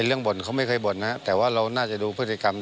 บ่นเขาไม่เคยบ่นนะแต่ว่าเราน่าจะดูพฤติกรรม